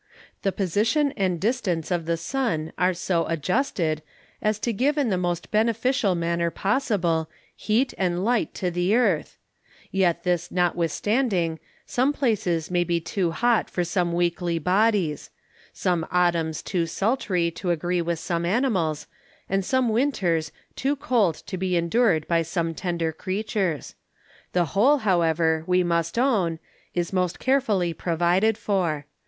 The Position and Distance of the Sun are so adjusted, as to give in the most beneficial manner possible, Heat and Light to the Earth; yet this notwithstanding, some Places may be too hot for some weakly Bodies; some Autumns too sultry to agree with some Animals, and some Winters too cold to be endured by some tender Creatures: The whole however we must own, is most carefully provided for.